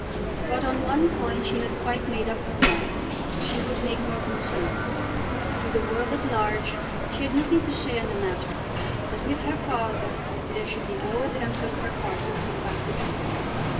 But on one point she had quite made up her mind. She would make no concealment. To the world at large she had nothing to say on the matter. But with her father there should be no attempt on her part to keep back the truth.